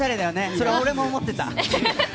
それは僕も思ってた。